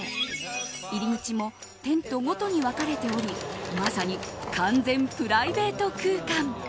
入り口もテントごとに分かれておりまさに完全プライベート空間。